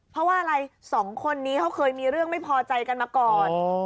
เพราะว่าอะไรสองคนนี้เขาเคยมีเรื่องไม่พอใจกันมาก่อน